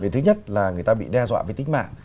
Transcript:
thứ nhất là người ta bị đe dọa với tính mạng